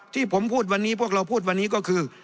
ที่ผมพูดวันนี้พวกเราพูดวันนี้ก็คือ